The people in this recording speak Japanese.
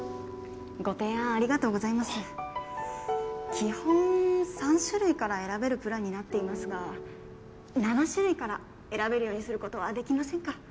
基本３種類から選べるプランになっていますが７種類から選べるようにすることはできませんか？